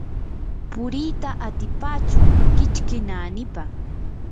puriita atipachu kichki naanipa.